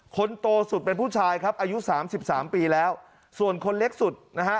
คนโตสุดเป็นผู้ชายครับอายุสามสิบสามปีแล้วส่วนคนเล็กสุดนะฮะ